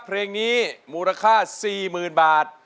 เพลงนี้มูลค่า๔๐๐๐บาท